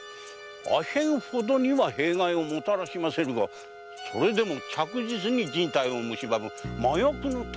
阿片ほどには弊害をもたらしませぬがそれでも着実に人体をむしばむ麻薬の類でございます。